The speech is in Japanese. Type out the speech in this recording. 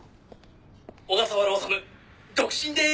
「小笠原治独身でーす」